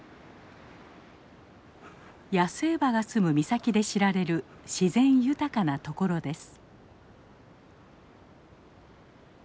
野生馬が住む岬で知られる自然豊かな所です。